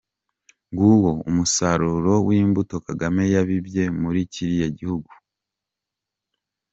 Ng’uwo umusaruro w’imbuto Kagame yabibye muri kiriya gihugu.